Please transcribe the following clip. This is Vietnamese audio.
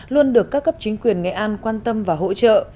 luôn được các cấp chính quyền nghệ an quan tâm và hỗ trợ